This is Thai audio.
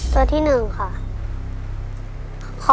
ตัวที่๑ค่ะ